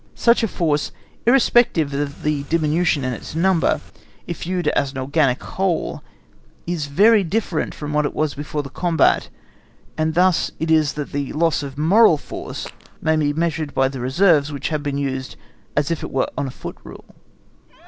Such a force, irrespective of the diminution in its number, if viewed as an organic whole, is very different from what it was before the combat; and thus it is that the loss of moral force may be measured by the reserves that have been used as if it were on a foot rule.